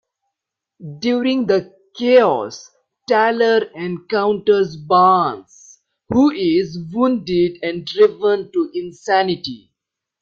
During the chaos, Taylor encounters Barnes, who is wounded and driven to insanity.